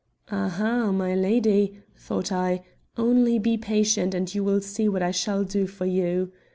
"Ah, ha! my lady," thought I, "only be patient and you will see what I shall do for you."